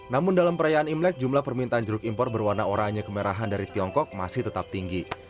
namun dalam perayaan imlek jumlah permintaan jeruk impor berwarna oranye kemerahan dari tiongkok masih tetap tinggi